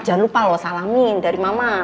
jangan lupa loh salamin dari mama